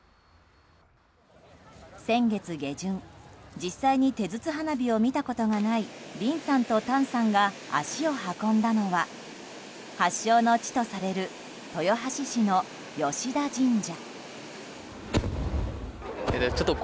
先月下旬、実際に手筒花火を見たことがないビンさんとタンさんが足を運んだのは発祥の地とされる豊橋市の吉田神社。